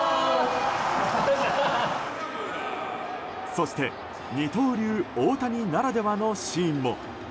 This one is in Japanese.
そして二刀流・大谷ならではのシーンも。